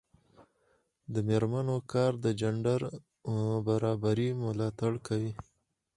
د میرمنو کار د جنډر برابري ملاتړ کوي.